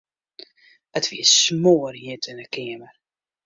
It wie smoarhjit yn 'e keamer.